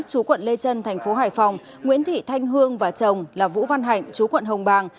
chú quận lê trân thành phố hải phòng nguyễn thị thanh hương và chồng là vũ văn hạnh chú quận hồng bàng